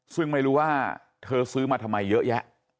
ซึ่งไม่รู้ว่าเธอซื้อมาทำไมเยอะแยะ